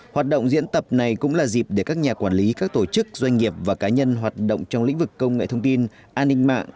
hoạt động diễn tập này cũng là dịp để các nhà quản lý các tổ chức doanh nghiệp và cá nhân hoạt động trong lĩnh vực công nghệ thông tin an ninh mạng